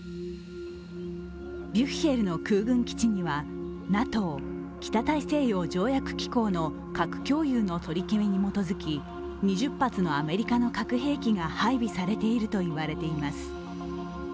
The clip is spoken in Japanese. ビュッヒェルの空軍基地にはＮＡＴＯ＝北大西洋条約機構の核共有の取り決めに基づき２０発のアメリカの核兵器が配備されていると言われています。